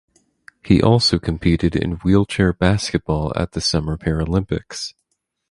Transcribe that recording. He also competed in wheelchair basketball at the Summer Paralympics.